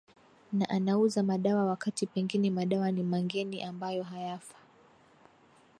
na anauza madawa wakati pengine madawa ni mangeni ambayo hayafa